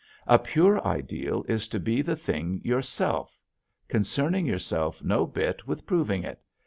A pure ideal is to be the thing yourself, concerning yourself no bit with proving it.